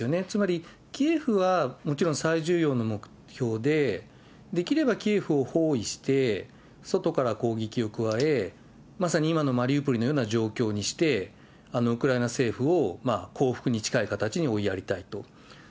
つまりキエフは、もちろん最重要の目標で、できればキエフを包囲して、外から攻撃を加え、まさに今のマリウポリのような状況にして、ウクライナ政府を降伏に近い形に追いやりたいと。